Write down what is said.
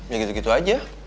ya gitu gitu aja